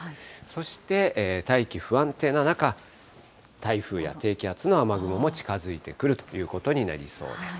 そして大気不安定な中、台風や低気圧の雨雲も近づいてくるということになりそうです。